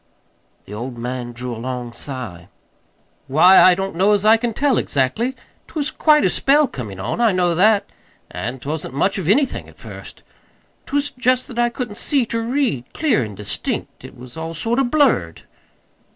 The old man drew a long sigh. "Why, I don't know as I can tell, exactly. 'T was quite a spell comin' on I know that; and't wasn't much of anything at first. 'T was just that I couldn't see ter read clear an' distinct. It was all sort of blurred."